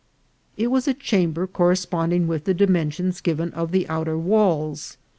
It was a chamber cor responding with the dimensions given of the outer walls.